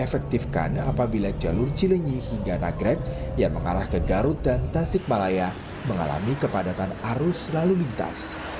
efektifkan apabila jalur cilinyi hingga nagrek yang mengarah ke garut dan tasik malaya mengalami kepadatan arus lalu lintas